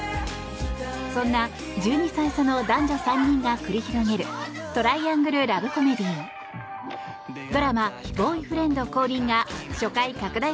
そんな１２歳差の男女３人が繰り広げるトライアングルラブコメディードラマ「ボーイフレンド降臨！」が初回拡大